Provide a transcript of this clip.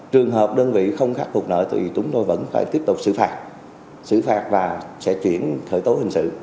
trường hợp đơn vị không khắc phục nợ thì chúng tôi vẫn phải tiếp tục xử phạt xử phạt và sẽ chuyển khởi tố hình sự